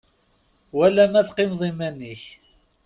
Wala ma teqqimeḍ iman-ik.